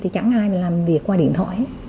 thì chẳng ai làm việc qua điện thoại